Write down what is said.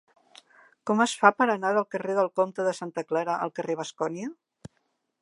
Com es fa per anar del carrer del Comte de Santa Clara al carrer de Bascònia?